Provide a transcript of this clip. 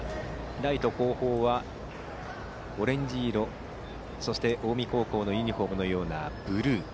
ライト後方はオレンジ色そして近江高校のユニフォームのようなブルー。